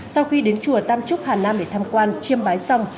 sau khi đến chùa tam trúc hà nam để tham quan chiêm bái xong